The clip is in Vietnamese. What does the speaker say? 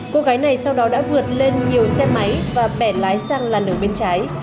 cô gái này sau đó đã vượt lên nhiều xe máy và bẻ lái sang làn đường bên trái